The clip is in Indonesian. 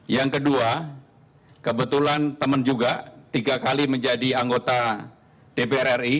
yang kedua kebetulan teman juga tiga kali menjadi anggota dpr ri